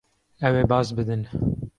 Ew ê baz bidin.